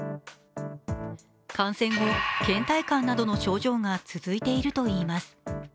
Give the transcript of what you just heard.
感染後、けん怠感などの症状が続いているといいます。